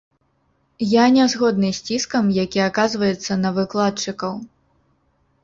Я не згодны з ціскам, які аказваецца на выкладчыкаў.